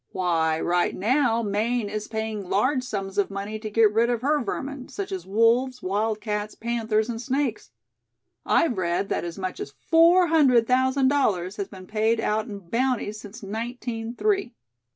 "Why, right now, Maine is paying large sums of money to get rid of her vermin, such as wolves, wildcats, panthers and snakes. I've read that as much as four hundred thousand dollars has been paid out in bounties since nineteen three."